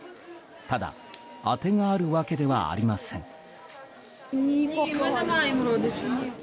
ただ、あてがあるわけではありません。